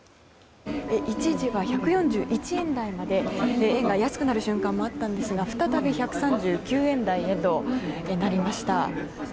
一時は１４１円台まで円が安くなる瞬間もあったんですが再び１３９円台となりました。